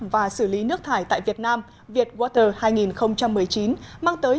và xử lý nước thải tại việt nam vietwater hai nghìn một mươi chín mang tới nhiều giá trị